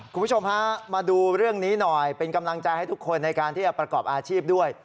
คุณผู้ชมฮะมาดูเรื่องนี้หน่อยเป็นกำลังใจให้ทุกคนในการที่จะประกอบอาชีพด้วย